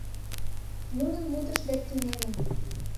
Нунын мутышт дек тунемын.